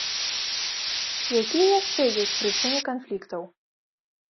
Якія яшчэ ёсць прычыны канфліктаў?